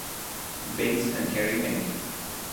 Binks and Kerry Pink.